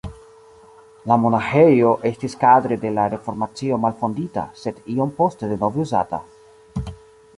La monaĥejo estis kadre de la Reformacio malfondita, sed iom poste denove uzata.